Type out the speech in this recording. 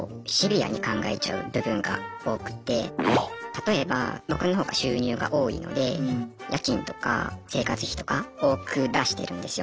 例えば僕の方が収入が多いので家賃とか生活費とか多く出してるんですよね。